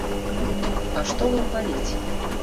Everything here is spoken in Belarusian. А што вам баліць?